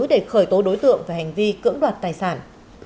để khởi tố đối tượng về hành vi cưỡng đoạt tài sản